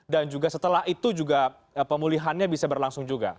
dan juga setelah itu juga pemulihannya bisa berlangsung juga